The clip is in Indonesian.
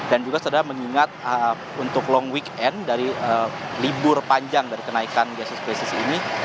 ini adalah sebuah kemas kondisi yang weak end dari libur panjang dari kenaikan gasus krisis ini